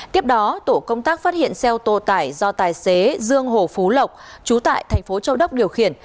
tiếp đó tổ công tác phát hiện xe ô tô tải do tài xế dương hồ phú lộc chú tại thành phố châu đốc điều khiển